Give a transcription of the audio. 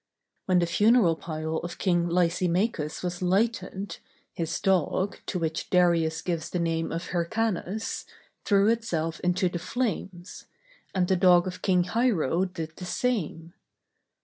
When the funeral pile of King Lysimachus was lighted, his dog, to which Darius gives the name of Hyrcanus, threw itself into the flames, and the dog of King Hiero did the same.